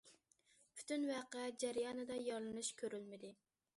پۈتۈن ۋەقە جەريانىدا يارىلىنىش كۆرۈلمىدى.